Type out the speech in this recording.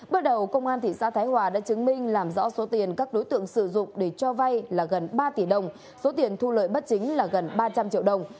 bước đầu công an thị xã thái hòa đã chứng minh làm rõ số tiền các đối tượng sử dụng để cho vay là gần ba tỷ đồng số tiền thu lợi bất chính là gần ba trăm linh triệu đồng